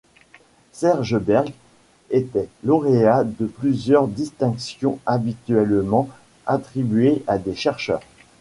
Serge Berg était lauréat de plusieurs distinctions habituellement attribuées à des chercheurs.